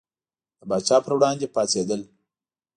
د پاچا پر وړاندې پاڅېدل.